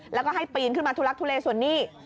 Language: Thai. แล้วก็ให้ปีนขึ้นมาทุลักทุเลส่วนนี้